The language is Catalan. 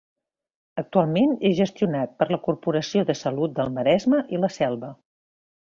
Actualment és gestionat per la Corporació de Salut del Maresme i la Selva.